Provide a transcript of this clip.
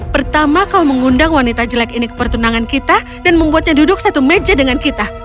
pertama kau mengundang wanita jelek ini ke pertunangan kita dan membuatnya duduk satu meja dengan kita